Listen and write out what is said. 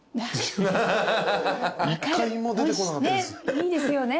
いいですよね。